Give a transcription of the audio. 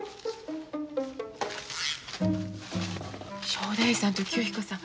正太夫さんと清彦さん